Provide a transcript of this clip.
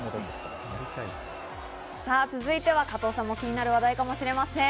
さあ、続いては加藤さんも気になる話題かもしれません。